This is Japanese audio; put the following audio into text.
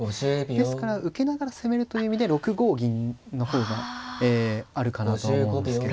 ですから受けながら攻めるという意味で６五銀の方があるかなとは思うんですけど。